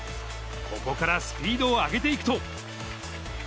ここからスピードを上げていくと。